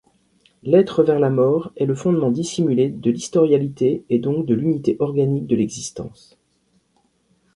L'être-vers-la-mort est le fondement dissimulé de l'historialité et donc de l'unité organique de l'existence.